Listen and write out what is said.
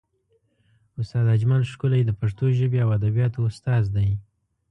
استاد اجمل ښکلی د پښتو ژبې او ادبیاتو استاد دی.